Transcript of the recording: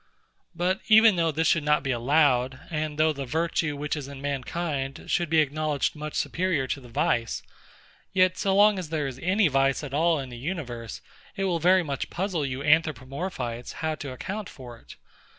But even though this should not be allowed, and though the virtue which is in mankind should be acknowledged much superior to the vice, yet so long as there is any vice at all in the universe, it will very much puzzle you Anthropomorphites, how to account for it.